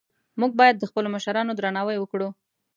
موږ باید د خپلو مشرانو درناوی وکړو